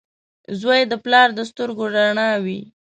• زوی د پلار د سترګو رڼا وي.